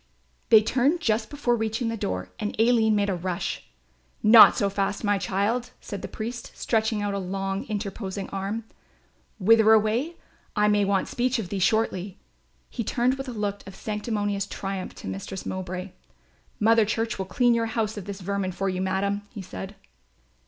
They turned just before reaching the door and Aline made a rush. "Not so fast, my child," said the priest, stretching out a long interposing arm. "Whither away? I may want speech of thee shortly." He turned with a look of sanctimonious triumph to Mistress Mowbray. "Mother Church will clean your house of its vermin for you, madam," he said.